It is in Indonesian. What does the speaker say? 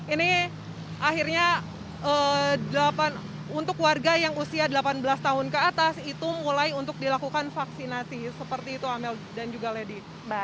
ini akhirnya untuk warga yang usia delapan belas tahun ke atas itu mulai untuk dilakukan vaksinasi seperti itu amel dan juga lady